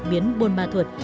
biến buôn ma thuật